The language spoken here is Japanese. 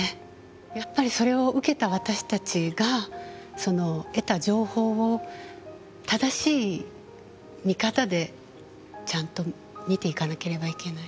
やっぱりそれを受けた私たちがその得た情報を正しい見方でちゃんと見ていかなければいけない。